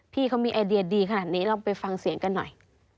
พี่เขามีไอเดียดีขนาดนี้ลองไปฟังเสียงกันหน่อย